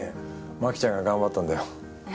マキちゃんが頑張ったんだよ。